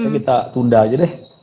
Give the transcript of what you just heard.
kita tunda aja deh